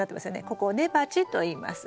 ここを根鉢といいます。